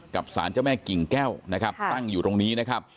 สารเจ้าแม่กิ่งแก้วนะครับตั้งอยู่ตรงนี้นะครับ